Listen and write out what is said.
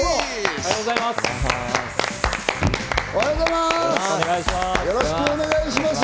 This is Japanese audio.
おはようございます。